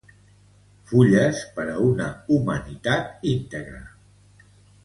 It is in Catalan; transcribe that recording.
Fulles per a una humanitat íntegra.